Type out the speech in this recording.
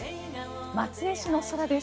松江市の空です。